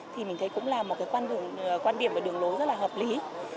thì mình thấy cũng là một cái quan điểm và đường lối rất là hợp lý